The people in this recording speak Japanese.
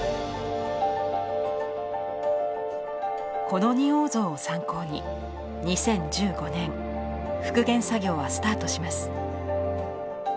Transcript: この仁王像を参考に２０１５年復元作業はスタートします。